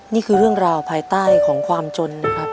นี่คือเรื่องราวภายใต้ของความจนนะครับ